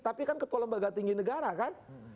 tapi kan ketua lembaga tinggi negara kan